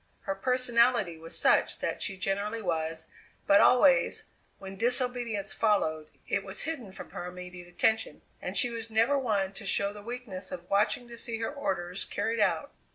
Her personality was such that she generally was; but always, when disobedience followed, it was hidden from her immediate attention, and she was never one to show the weakness of watching to see her orders carried out.